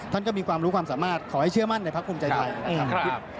ท่านก็มีความรู้ความสามารถขอให้เชื่อมั่นในภาคภูมิใจไทยนะครับ